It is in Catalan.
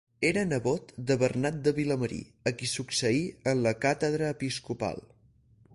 Era nebot de Bernat de Vilamarí a qui succeí en la càtedra episcopal.